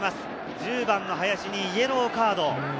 １０番・林にイエローカード。